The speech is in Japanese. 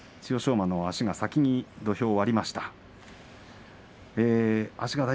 馬の足が先に土俵を割りました。